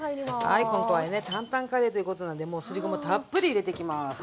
はい今回はね担々カレーということなんでもうすりごまたっぷり入れてきます。